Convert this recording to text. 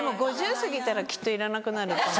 ５０過ぎたらきっといらなくなるよ。